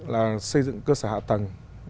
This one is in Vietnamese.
là xây dựng cơ sở hạ tầng